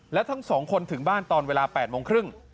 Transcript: และทั้ง๒คนถึงบ้านตอนเวลา๘โมงครึ่ง